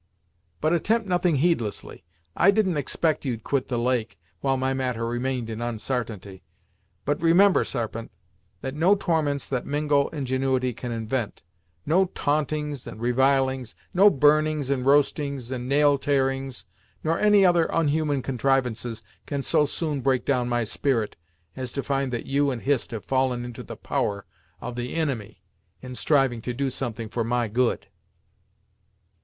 But attempt nothing heedlessly I didn't expect you'd quit the lake, while my matter remained in unsartainty, but remember, Sarpent, that no torments that Mingo ingenuity can invent, no ta'ntings and revilings; no burnings and roastings and nail tearings, nor any other onhuman contrivances can so soon break down my spirit, as to find that you and Hist have fallen into the power of the inimy in striving to do something for my good."